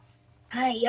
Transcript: はい。